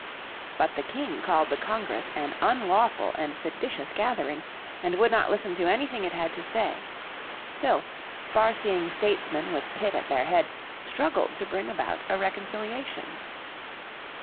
But the King called the Congress an unlawful and seditious gathering, and would not listen to anything it had to say. Still, far seeing statesmen with Pitt at their head struggled to bring about a reconciliation.